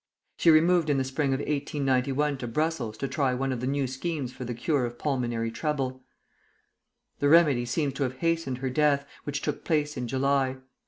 She removed in the spring of 1891 to Brussels to try one of the new schemes for the cure of pulmonary trouble. The remedy seems to have hastened her death, which took place in July.